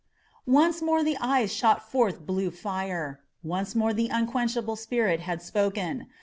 Once more the eyes shot forth blue fire. Once more the unquenchable spirit had spoken.